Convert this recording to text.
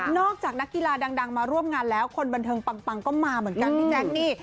จากนักกีฬาดังมาร่วมงานแล้วคนบันเทิงปังก็มาเหมือนกันพี่แจ๊คนี่